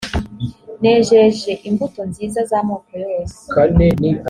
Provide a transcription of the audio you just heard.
nejeje imbuto nziza z’amoko yose